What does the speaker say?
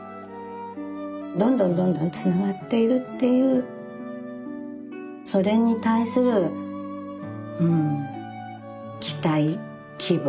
どんどんどんどんつながっているっていうそれに対するうん期待希望うん。